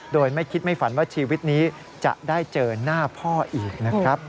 โดยไม่คิดไม่ฝันว่าชีวิตนี้จะได้เจอหน้าพ่ออีกนะครับ